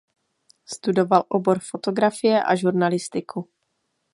Studoval obor fotografie a žurnalistiku.